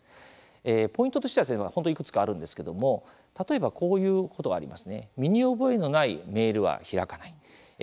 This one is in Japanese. ポイントとしては本当にいくつかあるんですけれども例えば、こういうことがあります。